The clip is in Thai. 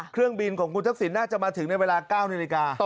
เครื่องบินของคุณทักษิณน่าจะมาถึงในเวลา๙นาฬิกา